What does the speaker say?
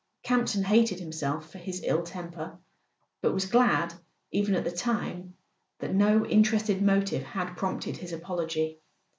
Campton hated himself for his ill temper, but was glad, even at the time, that no interested motive had prompted his apology.